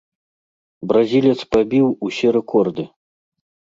Бразілец пабіў усе рэкорды.